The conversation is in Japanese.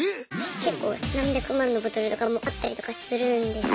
結構何百万のボトルとかもあったりとかするんですよ。